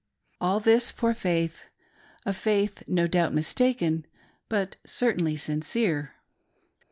All this for faith — a faith no doubt mistaken, but certainly sincere.